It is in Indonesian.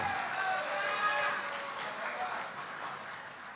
sekali layar terkembang suruh kita berpantau